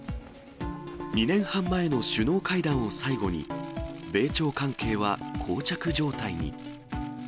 ２年半前の首脳会談を最後に、米朝関係はこう着状態に。